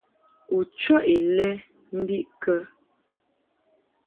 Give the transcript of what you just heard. U chɔʼ ilɛ bə mbiʼ kə ?